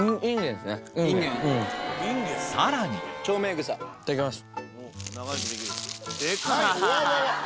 さらにいただきます。